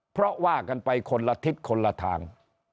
เพราะว่ากันไปคนละทิศคนละทาง